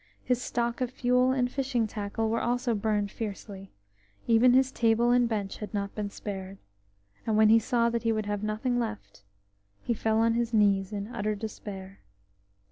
His stock of fuel and fishing tackle were also burning fiercely–even his table and bench had not been spared; and when he saw that he would have nothing left, he fell on his knees in utter despair.